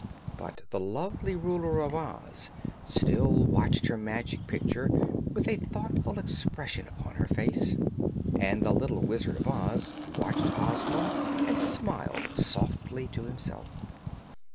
But the lovely Ruler of Oz still watched her magic picture, with a thoughtful expression upon her face, and the little Wizard of Oz watched Ozma and smiled softly to himself.